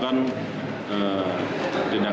kenapa jadi kesalahan